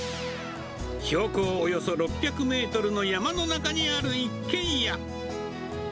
標高およそ６００メートルの山の中にある一軒家。